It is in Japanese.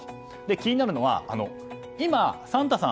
気になるのは今、サンタさん